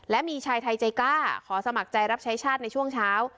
และมีชายไทยใจกล้าขอสมัครใจรับใช้ชาติในช่วงเช้า